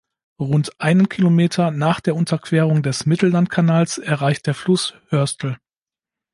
Rund einen Kilometer nach der Unterquerung des Mittellandkanals erreicht der Fluss Hörstel.